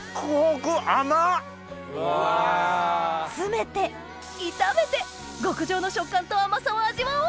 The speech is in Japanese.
・詰めて炒めて極上の食感と甘さを味わおう！